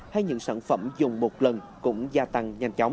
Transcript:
hay những sản phẩm dùng một lần cũng gia tăng nhanh chóng